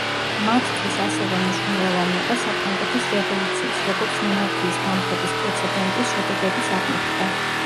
მათთვის ასევე მნიშვნელოვანი იყო საფრანგეთის რევოლუციის, როგორც მონარქიის დამხობის პრეცედენტის, შედეგების აღმოფხვრა.